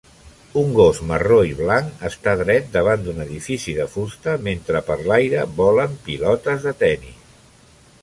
Un gos marró i blanc està dret davant d'un edifici de fusta mentre per l'aire volen pilotes de tennis